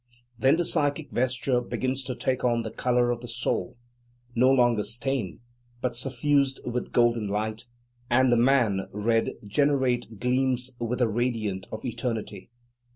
Then the psychic vesture begins to take on the colour of the Soul, no longer stained, but suffused with golden light; and the man red generate gleams with the radiance of eternity.